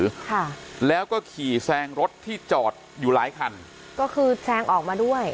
ค่ะแล้วก็ขี่แซงรถที่จอดอยู่หลายคันก็คือแซงออกมาด้วย